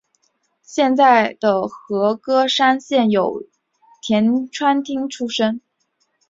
现在的和歌山县有田川町出身。